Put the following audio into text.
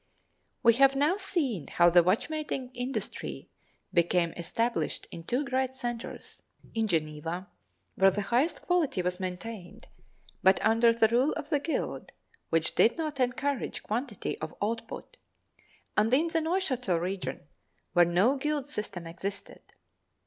We have now seen how the watchmaking industry became established in two great centers—in Geneva, where the highest quality was maintained, but under the rule of the guild, which did not encourage quantity of output, and in the Neuchatel region where no guild system existed.